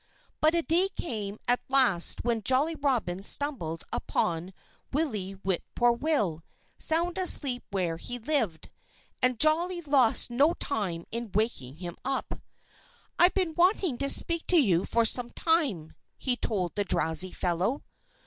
But a day came at last when Jolly Robin stumbled upon Willie Whip poor will, sound asleep where he lived. And Jolly lost no time in waking him up. "I've been wanting to speak to you for some time," he told the drowsy fellow.